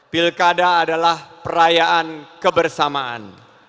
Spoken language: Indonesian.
pilkada adalah perayaan kebersamaan